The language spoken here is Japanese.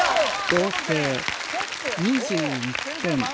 合計２１点